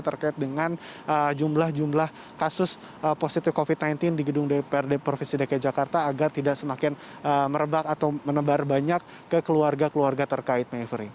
terkait dengan jumlah jumlah kasus positif covid sembilan belas di gedung dprd provinsi dki jakarta agar tidak semakin merebak atau menebar banyak ke keluarga keluarga terkait mevri